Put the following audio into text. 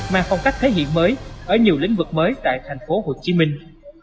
mang phong cách thể hiện mới ở nhiều lĩnh vực mới tại thành phố hồ chí minh